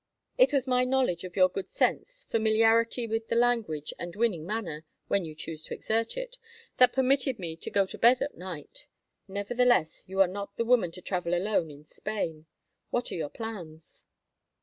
"It was my knowledge of your good sense, familiarity with the language, and winning manner—when you choose to exert it—that permitted me to go to bed at night. Nevertheless, you are not the woman to travel alone in Spain. What are your plans?"